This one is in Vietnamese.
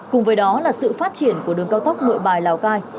cùng với đó là sự phát triển của đường cao tốc nội bài lào cai